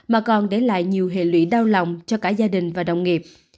mà còn để lại nhiều hệ lụy đau lòng cho cả gia đình và đồng nghiệp